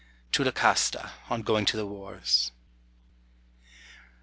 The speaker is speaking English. TO LUCASTA. ON GOING TO THE WARS.